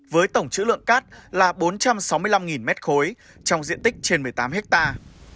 với tổng chữ lượng cát là bốn trăm sáu mươi năm mét khối trong diện tích trên một mươi tám hectare